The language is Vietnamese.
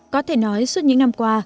có thể nói suốt những năm qua